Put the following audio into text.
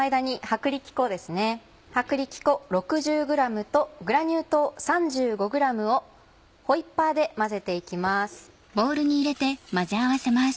薄力粉６０ｇとグラニュー糖３５ｇをホイッパーで混ぜて行きます。